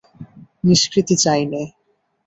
নিষ্কৃতি চাই নে।